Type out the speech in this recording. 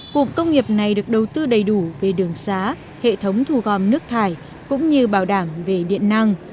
cụm công nghiệp này được đầu tư đầy đủ về đường xá hệ thống thu gom nước thải cũng như bảo đảm về điện năng